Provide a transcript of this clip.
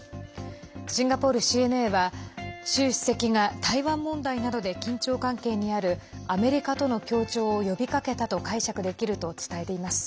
シンガポールＣＮＡは習主席が台湾問題などで緊張関係にあるアメリカとの協調を呼びかけたと解釈できると伝えています。